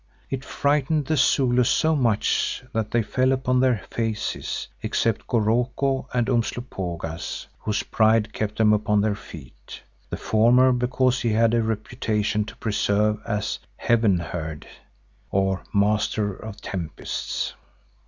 It frightened the Zulus so much, that they fell upon their faces, except Goroko and Umslopogaas, whose pride kept them upon their feet, the former because he had a reputation to preserve as a "Heaven herd," or Master of tempests.